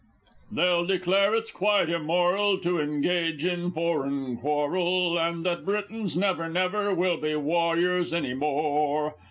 They'll declare it's quite immoral to engage in foreign quarrel, And that Britons never never will be warriors any more!